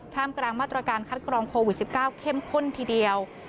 ไทม์กรางมัตรการคัดกรรมโควิด๑๙เค้มข้นทีเดียว